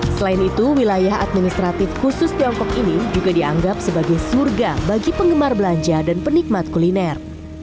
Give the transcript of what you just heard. selain itu wilayah administratif khusus tiongkok ini juga dianggap sebagai surga bagi penggemar belanja dan penikmat kuliner